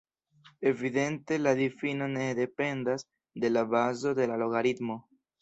Evidente la difino ne dependas de la bazo de la logaritmo.